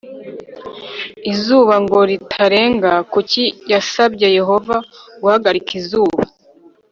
izuba ngo ritarenga Kuki yasabye Yehova guhagarika izuba